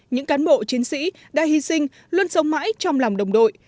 những cán bộ chiến sĩ đã hy sinh luôn sống mãi trong lòng đồng đội